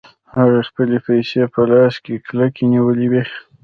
هغه خپلې پيسې په لاس کې کلکې نيولې وې.